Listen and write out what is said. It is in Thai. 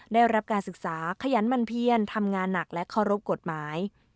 ได้รับการศึกษาขยันมันเพียนทำงานหนักและเคารพกฎหมาย